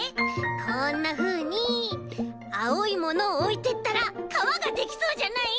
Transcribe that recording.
こんなふうにあおいものをおいてったらかわができそうじゃない？